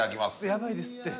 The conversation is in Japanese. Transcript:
やばいですって。